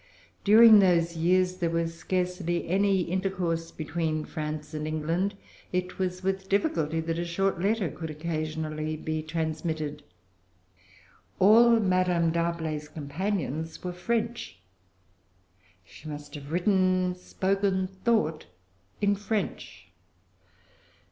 During those years there was scarcely any intercourse between France and England. It was with difficulty that a short letter could occasionally be transmitted. All Madame D'Arblay's companions were French. She must have written, spoken, thought, in French.